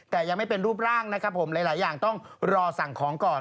แต่ยังไม่เป็นรูปร่างนะครับผมหลายอย่างต้องรอสั่งของก่อน